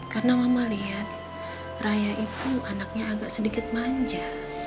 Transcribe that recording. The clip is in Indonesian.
karena mama lihat raya itu anaknya agak sedikit manja